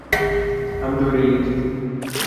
আমি তো হেরেই গেছি।